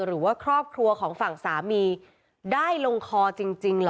หรือว่าครอบครัวของฝั่งสามีได้ลงคอจริงเหรอ